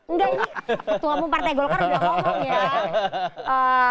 enggak ini ketua umum partai golkar udah ngomong ya